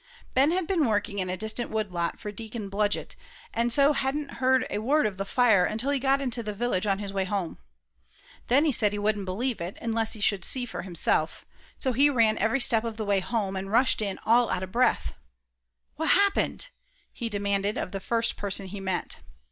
Ben had been working in a distant wood lot for Deacon Blodgett, and so hadn't heard a word of the fire until he got into the village, on his way home. Then he said he wouldn't believe it, unless he should see for himself. So he ran every step of the way home, and rushed in all out of breath. "What's happened?" he demanded of the first person he met.